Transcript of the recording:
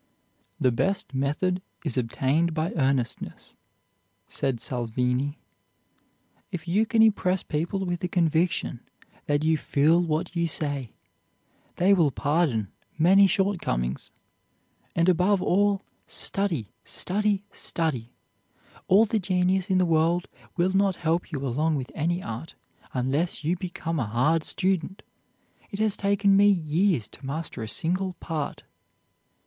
"The best method is obtained by earnestness," said Salvini. "If you can impress people with the conviction that you feel what you say, they will pardon many shortcomings. And above all, study, study, study! All the genius in the world will not help you along with any art, unless you become a hard student. It has taken me years to master a single part."